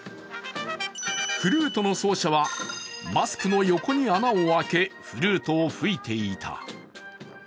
フルートの奏者はマスクの横に穴をあけ、フルートを吹いていた。